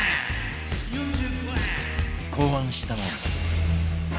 考案したのは